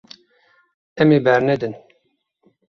Em ê bernedin.